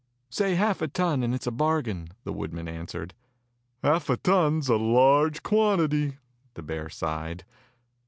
"Say half a ton, and it's a bargain," the woodman answered. "Half a ton is a large quantity," the bear sighed.